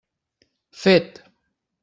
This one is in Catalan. Fet!